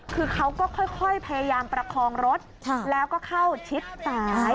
คือเขาก็ค่อยพยายามประคองรถแล้วก็เข้าชิดซ้าย